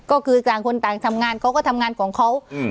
ก็คือต่างคนต่างทำงานเขาก็ทำงานของเขาอืม